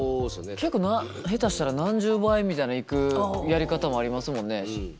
結構下手したら何十倍みたいないくやり方もありますもんね。